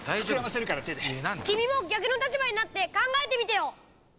きみも逆の立場になってかんがえてみてよ！